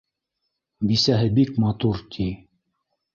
Бисәһе бик матур, ти.